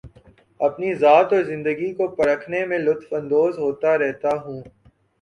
اپنی ذات اور زندگی کو پرکھنے میں لطف اندوز ہوتا رہتا ہوں